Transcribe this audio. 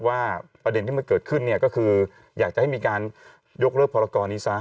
ประเด็นที่มันเกิดขึ้นเนี่ยก็คืออยากจะให้มีการยกเลิกพรกรนี้ซะ